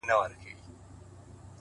نن والله پاك ته لاسونه نيسم!!